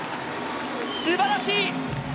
すばらしい！